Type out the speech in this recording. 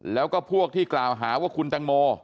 แล้วก็พวกที่กล่าวหาว่าคุณตังโม